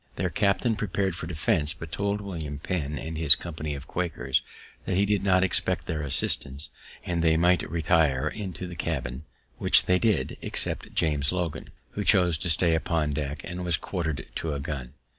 Their captain prepar'd for defense; but told William Penn, and his company of Quakers, that he did not expect their assistance, and they might retire into the cabin, which they did, except James Logan, who chose to stay upon deck, and was quarter'd to a gun.